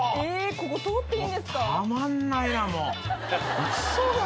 ここ通っていいんですか？